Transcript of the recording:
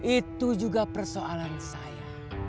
itu juga persoalan saya